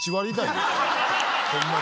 ホンマに。